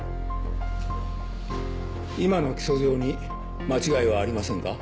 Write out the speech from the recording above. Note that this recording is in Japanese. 今の起訴状に間違いはありませんか？